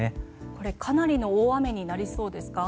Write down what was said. これ、かなりの大雨になりそうですか？